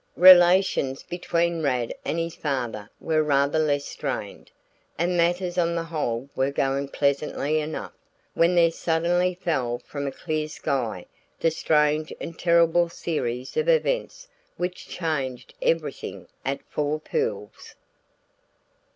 Relations between Rad and his father were rather less strained, and matters on the whole were going pleasantly enough, when there suddenly fell from a clear sky the strange and terrible series of events which changed everything at Four Pools.